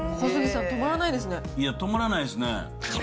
いや、止まらないですね。